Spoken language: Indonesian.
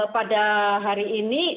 pada hari ini